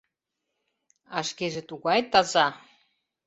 А шкеже тугай таза.